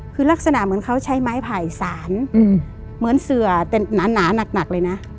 คือลักษณะเหมือนเขาใช้ไม้ไผ่สารเหมือนเสือแต่หนาหนักเลยนะ